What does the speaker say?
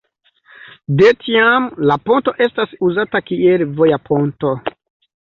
De tiam la ponto estas uzata kiel voja ponto.